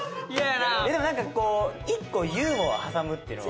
でもなんかこう一個ユーモアを挟むっていうのは。